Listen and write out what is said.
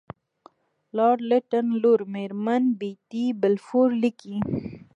لارډ لیټن لور میرمن بیټي بالفور لیکي.